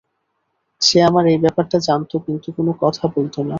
সে আমার এই ব্যাপারটা জানত, কিন্তু কোনো কথা বলত না।